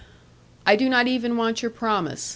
I do not even want your promise.